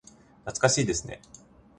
懐かしいですね。